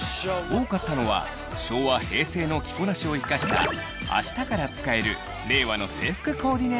多かったのは昭和・平成の着こなしを生かしたあしたから使える令和の制服コーディネート術。